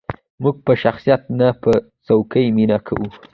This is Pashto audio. موږ په شخصیت نه، په څوکې مینه کوو.